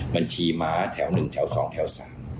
บัญชีม้าแถวหนึ่งแถวสองแถวสาม